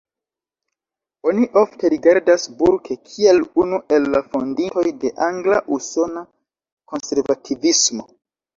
Oni ofte rigardas Burke kiel unu el la fondintoj de angla-usona konservativismo.